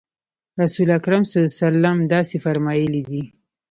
رسول اکرم صلی الله علیه وسلم داسې فرمایلي دي.